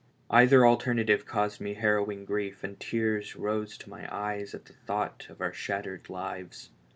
Either alternative caused me harrow ing grief, and tears rose to my eyes at thought of our shattered lives.